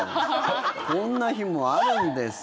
こんな日もあるんです。